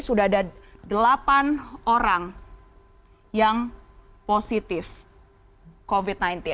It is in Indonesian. sudah ada delapan orang yang positif covid sembilan belas